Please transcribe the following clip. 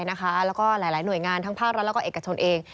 แล้วก็หลายหน่วยงานทั้งภาครัฐแล้วก็เอกชนเอง